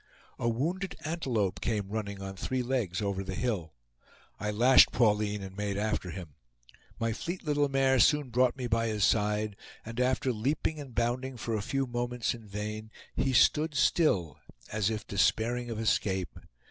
A wounded antelope came running on three legs over the hill. I lashed Pauline and made after him. My fleet little mare soon brought me by his side, and after leaping and bounding for a few moments in vain, he stood still, as if despairing of escape.